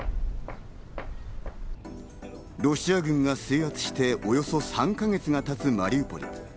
ロシア軍が制圧して、おおよそ３か月がたつマリウポリ。